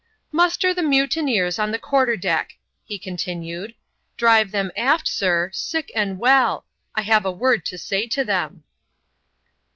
" Muster the mutineers on the quarter deck," he continued " Drive them aft, sir, sick and well : I have a word to say tc them."